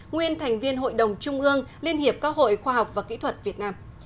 nguyên thành viên hội đồng trung ương liên hiệp các hội khoa học và kỹ thuật việt nam